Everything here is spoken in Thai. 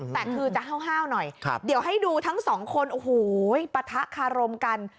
แต่คือจะห้าวหน่อยเดี๋ยวให้ดูทั้งสองคนโอ้โหปะทะคารมกัน